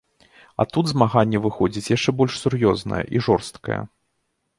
А тут змаганне выходзіць яшчэ больш сур'ёзнае і жорсткае.